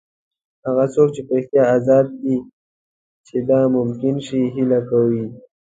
هغه څوک په رښتیا ازاد دی چې د ممکن شي هیله کوي.